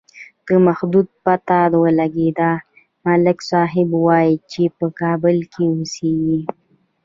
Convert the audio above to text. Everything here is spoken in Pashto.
د محمود پته ولگېده، ملک صاحب وایي چې په کابل کې اوسېږي.